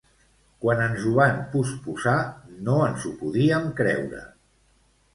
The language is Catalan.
Quan ens ho van posposar no ens ho podíem creure.